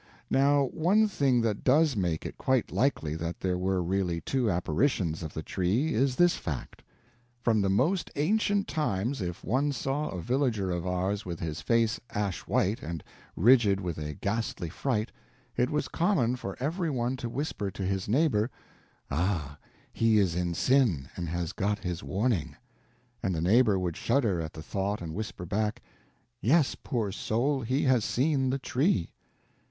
Now one thing that does make it quite likely that there were really two apparitions of the Tree is this fact: From the most ancient times if one saw a villager of ours with his face ash white and rigid with a ghastly fright, it was common for every one to whisper to his neighbor, "Ah, he is in sin, and has got his warning." And the neighbor would shudder at the thought and whisper back, "Yes, poor soul, he has seen the Tree."